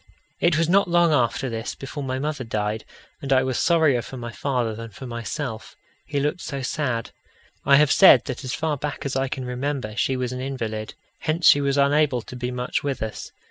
It was not long after this before my mother died, and I was sorrier for my father than for myself he looked so sad. I have said that as far back as I can remember, she was an invalid. Hence she was unable to be much with us.